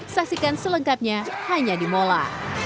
saksikan selengkapnya hanya di mola